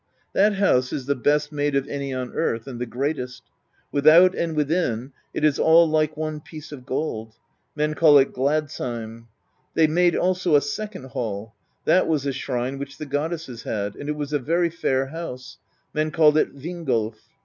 That house is the best made of any on earth, and the greatest; without and within, it is all like one piece of gold; men call it Glads heim. They made also a second hall : that was a shrine which the goddesses had, and it was a very fair house; men call it Vingolf.